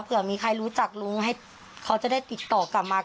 เผื่อมีใครรู้จักลุงให้เขาจะได้ติดต่อกลับมา